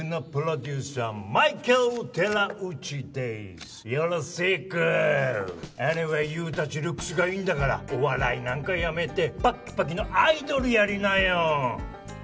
エニーウェイユーたちルックスがいいんだからお笑いなんかやめてパッキパキのアイドルやりなよ。